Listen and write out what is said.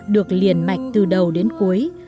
được liền mạch từ đầu đến cuối